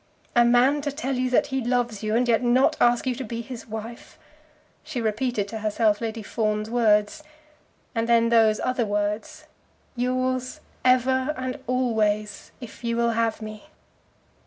"A man to tell you that he loves you, and yet not ask you to be his wife!" She repeated to herself Lady Fawn's words, and then those other words, "Yours ever and always, if you will have me!"